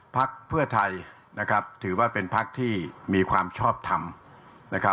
ภักดิ์เพื่อไทยถือว่าเป็นภักดิ์ที่มีความชอบทำ